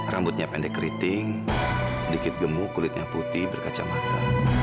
rambutnya pendek keriting sedikit gemuk kulitnya putih berkaca mata